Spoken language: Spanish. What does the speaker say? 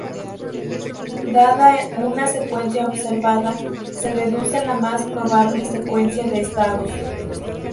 Dada una secuencia observada, se deduce la más probable secuencia de estados.